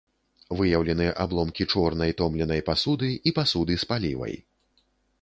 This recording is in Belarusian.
Выяўлены абломкі чорнай томленай пасуды і пасуды з палівай.